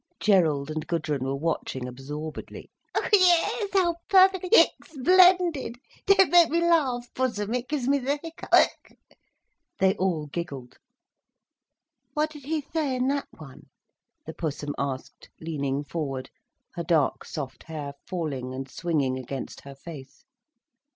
Gerald and Gudrun were watching absorbedly. "Oh yes, how perfectly—hic!—splendid! Don't make me laugh, Pussum, it gives me the hiccup. Hic!—" They all giggled. "What did he say in that one?" the Pussum asked, leaning forward, her dark, soft hair falling and swinging against her face.